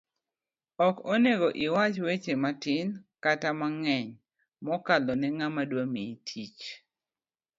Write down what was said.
ok onego iwach weche matin kata mang'eny mokalo ne ng'ama dwamiyi tich